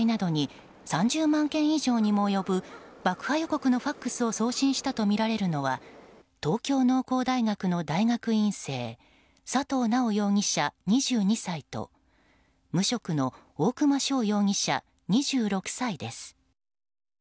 全国の大学や自治体などに３０万件以上にも及ぶ爆破予告のＦＡＸを送信したとみられるのは東京農工大学の大学院生佐藤直容疑者、２２歳と無職の大熊翔容疑者、２６歳です。